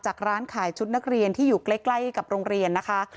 ร้านขายชุดนักเรียนที่อยู่ใกล้กับโรงเรียนนะคะ